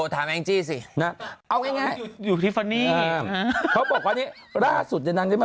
ถามแองจีสิเอาไงทราบเดขนวน